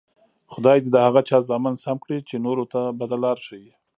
خدای دې د هغه چا زامن سم کړي، چې نورو ته بده لار ښیي.